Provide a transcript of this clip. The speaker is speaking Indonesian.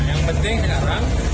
yang penting sekarang